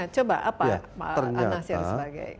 coba apa pak anasir sebagai